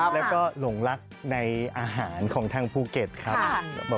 แล้วก็หลงรักในอาหารของทางภูเก็ตครับ